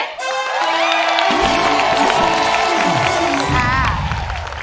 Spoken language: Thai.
ร้องได้ให้ล้านลูกทุ่งสู้ชีวิต